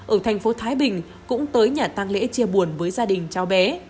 ở tp thái bình cũng tới nhà tăng lễ chia buồn với gia đình cháu bé